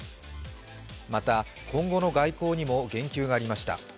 また、今後の外交にも言及がありました。